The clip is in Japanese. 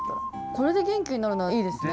これで元気になるならいいですね。